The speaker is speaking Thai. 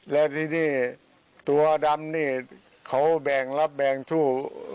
แล้วทีนี้ตัวดำนี่เขาแบ่งรับแบ่งสู้